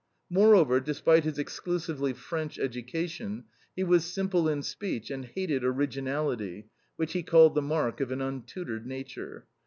Moreover, despite his exclusively French education, he was simple in speech and hated originality (which he called the mark of an untutored nature).